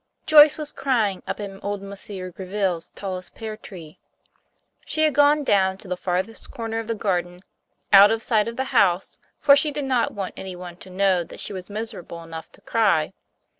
Joyce was crying, up in old Monsieur Gréville's tallest pear tree. She had gone down to the farthest corner of the garden, out of sight of the house, for she did not want any one to know that she was miserable enough to cry.